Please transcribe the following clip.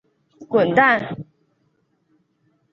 多变尻参为尻参科尻参属的动物。